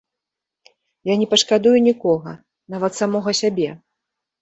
Я не пашкадую нікога, нават самога сябе!